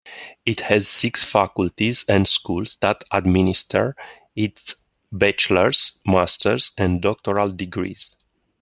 It has six faculties and schools that administer its bachelor's, master's and doctoral degrees.